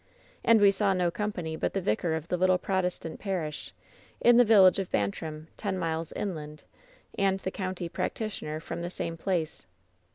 "And we saw no company but the vicar of the little Protestant parish, in the village of Bantrim, ten miles inland, and the county practitioner from the same place.